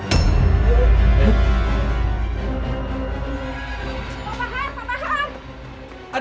pak bahar pak bahar